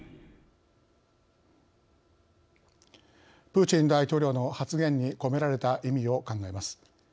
プーチン大統領の発言に込められた意味を考えます。